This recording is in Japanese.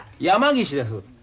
山岸です。